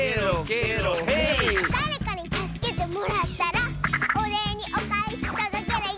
だれかにたすけてもらったらおれいにおかえしとどケロよ